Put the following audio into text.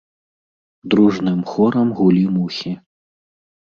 Дружным хорам гулі мухі.